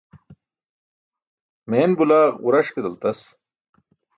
Meen bulaa ġuraṣ ke daltas.